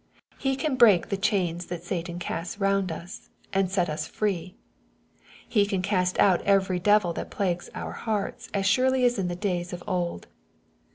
He can break the chains that Satan casts round us, and set us free. He can cast out every devil that plagues our hearts, as surely as in the days of old.